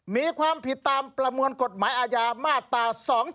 มีความผิดตามประมวลกฎหมายอาญามาตรา๒๗